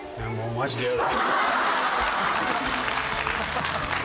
マジでやだ。